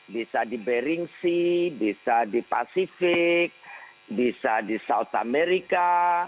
bisa di bering sea bisa di pasifik bisa di south america